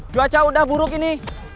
cuaca udah buruk ini